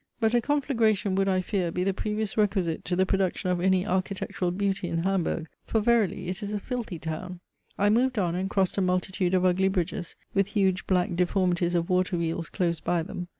But a conflagration would, I fear, be the previous requisite to the production of any architectural beauty in Hamburg: for verily it is a filthy town. I moved on and crossed a multitude of ugly bridges, with huge black deformities of water wheels close by them.